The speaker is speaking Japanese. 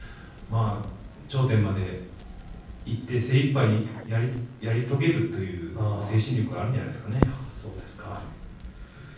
頂点まで行って精いっぱいやり遂げるという精神力がそうですか。